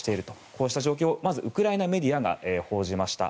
こうした状況をまずウクライナメディアが報じました。